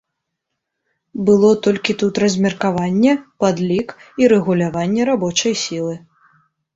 Было толькі тут размеркаванне, падлік і рэгуляванне рабочай сілы.